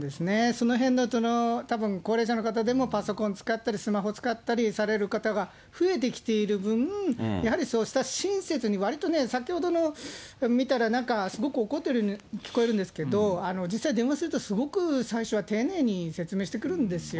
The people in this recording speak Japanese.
そのへんの、たぶん高齢者の方がパソコン使ったり、スマホ使ったりされる方が増えてきている分、やはりそうした親切にわりとね、先ほどの見たら、なんか、すごく怒ってるように聞こえるんですけど、実際、電話すると、すごく最初は丁寧に説明してくるんですよ。